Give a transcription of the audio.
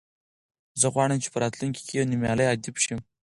زه غواړم چې په راتلونکي کې یو نومیالی ادیب شم.